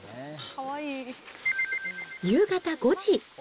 夕方５時。